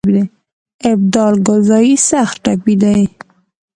ابدال کلزايي سخت ټپي دی.